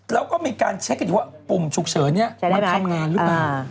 แล้วก็มีการเช็คกันอยู่ว่าปุ่มฉุกเฉินเนี่ยมันทำงานหรือเปล่า